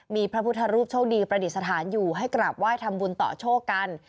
มีพระพุทธรูปโชคดีประดิษฐานอยู่ให้กราบไหว้ทำบุญต่อโชคกัน